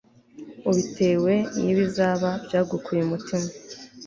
ubitewe n'ibizaba byagukuye umutima